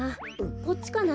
こっちかな？